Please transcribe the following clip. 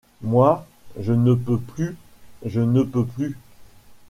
Moi, je ne peux plus, je ne peux plus !